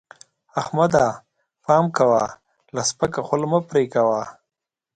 احمده! پام کوه؛ له سپکه خوله مه پرې کوه.